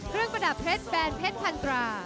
เครื่องประดับเพชรแบนเพชรพันตรา